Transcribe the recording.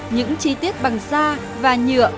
những chi tiết bằng da và nhựa